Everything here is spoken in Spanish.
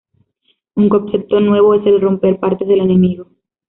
Un concepto nuevo es el de romper partes del enemigo.